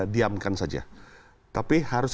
diamkan saja tapi harus